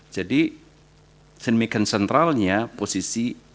jadi semekan sentralnya posisi